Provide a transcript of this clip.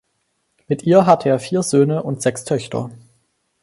Mit ihr hatte er vier Söhne und sechs Töchter.